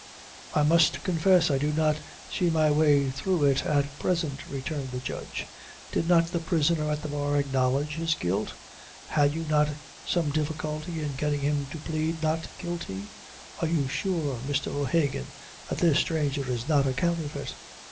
"I must confess, I do not see my way through it at present," returned the judge; "did not the prisoner at the bar acknowledge his guilt? had you not some difficulty in getting him to plead not guilty? Are you sure, Mr. O'Hagan, that this stranger is not a counterfeit?"